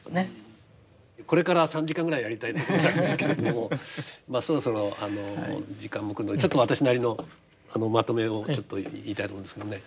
これから３時間ぐらいやりたいところなんですけれどもまあそろそろ時間も来るのでちょっと私なりのまとめをちょっと言いたいと思うんですけどもね。